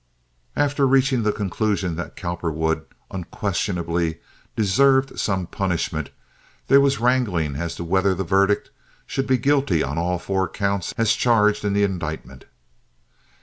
After reaching the conclusion that Cowperwood unquestionably deserved some punishment, there was wrangling as to whether the verdict should be guilty on all four counts, as charged in the indictment.